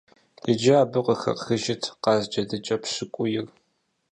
Иджы абы къыхэхыжыт къаз джэдыкӀэ пщыкӀуийр.